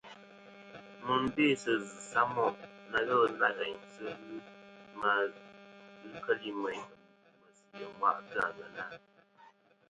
Mɨ n-bê sɨ zɨ̀ samoʼ na ghelɨ nâ ghèyn sɨ ghɨ ma ghɨ keli meyn mèsì ɨ̀mwaʼtɨ ɨ àŋena.